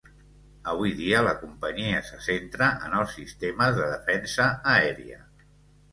Avui dia la companyia se centra en els sistemes de defensa aèria.